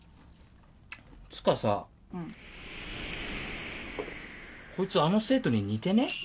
つうかさこいつあの生徒に似てね？